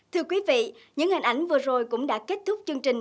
thưa quý vị những hình ảnh vừa rồi cũng đã kết thúc chương trình